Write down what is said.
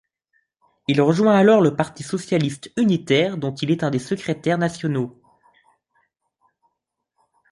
Il rejoint alors le Parti socialiste unitaire, dont il est un des secrétaire nationaux.